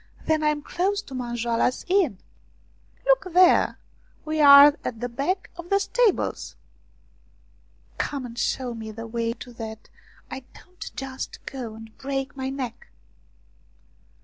" Then I am close to Manjoala's Inn." " Look there ; we are at the back of the stables." " Come and show me the way so that I don't just go and break my neck."